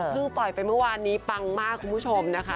ปล่อยไปเมื่อวานนี้ปังมากคุณผู้ชมนะคะ